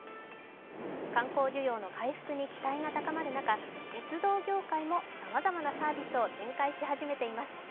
観光需要の回復に期待が高まる中、鉄道業界もさまざまなサービスを展開し始めています。